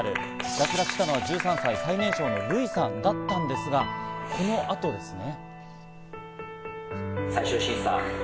脱落したのは１３歳、最年少のルイさんだったんですが、この後ですね。